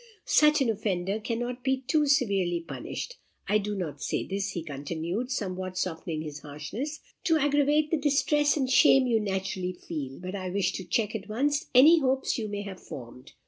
Such an offender cannot be too severely punished. I do not say this," he continued, somewhat softening his harshness, "to aggravate the distress and shame you naturally feel; but I wish to check at once any hopes you may have formed.